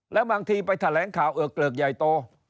แล้วบางทีไปแถลงข่าวเอิกเกลิกใหญ่โต